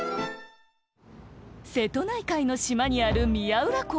瀬戸内海の島にある宮浦港。